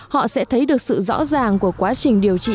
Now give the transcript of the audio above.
họ sẽ thấy được sự rõ ràng của quá trình điều trị